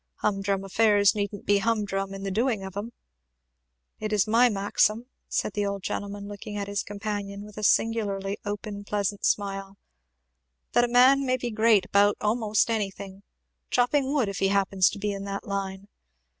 Hum drum affairs needn't be hum drum in the doing of 'em. It is my maxim," said the old gentleman looking at his companion with a singularly open pleasant smile, "that a man may be great about a'most anything chopping wood, if he happens to be in that line.